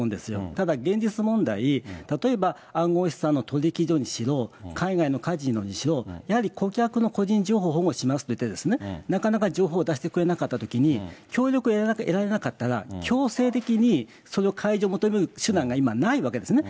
ただ、現実問題、例えば暗号資産のとぎきじょうにしろ、海外のカジノにしろ、やはり顧客の個人情報を保護しますって言って、なかなか情報を出してくれなかったときに、協力を得られなければ、強制的にそれを解除求める手段がないわけですね。